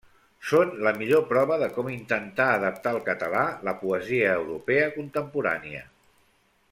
Són la millor prova de com intentà adaptar al català la poesia europea contemporània.